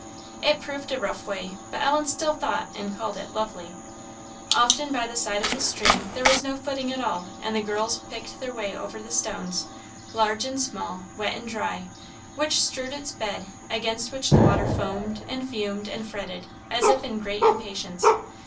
It proved a rough way; but Ellen still thought and called it "lovely." Often by the side of the stream there was no footing at all, and the girls picked their way over the stones, large and small, wet and dry, which strewed its bed; against which the water foamed, and fumed, and fretted, as if in great impatience.